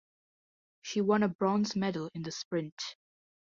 She won a bronze medal in the sprint.